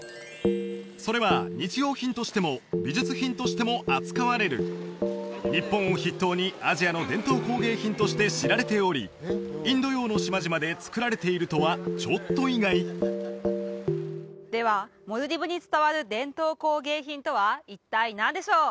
それは日用品としても美術品としても扱われる日本を筆頭にアジアの伝統工芸品として知られておりインド洋の島々で作られているとはちょっと意外ではモルディブに伝わる伝統工芸品とは一体何でしょう？